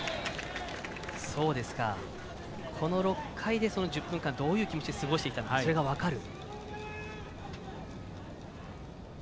この６回で１０分間どういう気持ちで過ごしてきたのか、それが分かる。